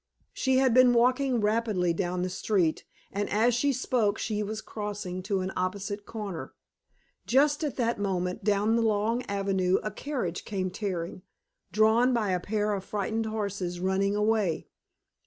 She had been walking rapidly down the street, and as she spoke she was crossing to an opposite corner. Just at that moment down the long avenue a carriage came tearing, drawn by a pair of frightened horses running away.